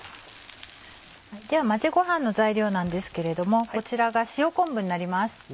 では混ぜごはんの材料なんですけれどもこちらが塩昆布になります。